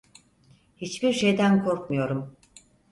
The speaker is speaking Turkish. Hiçbir şeyden korkmuyorum.